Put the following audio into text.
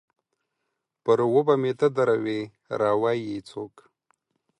پر و به مې ته دروې ، را وا يي يې څوک؟